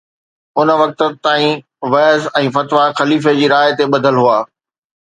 ان وقت تائين وعظ ۽ فتوا خليفي جي راءِ تي ٻڌل هئا